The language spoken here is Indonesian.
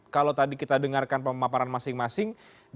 kalau tadi kita dengarkan pemaparan masing masing